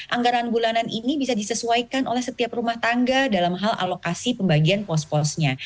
anggaran bulanan ini bisa disesuaikan oleh setiap rumah tangga dalam hal alokasi pembagian pos posnya